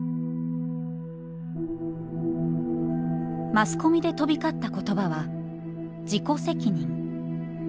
マスコミで飛び交った言葉は「自己責任」。